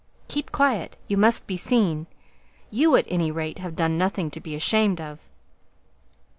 "Keep quiet. You must be seen. You, at any rate, have done nothing to be ashamed of."